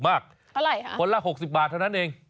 มากคนละ๖๐บาทเท่านั้น